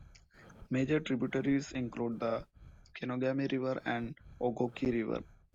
Major tributaries include the Kenogami River and Ogoki River.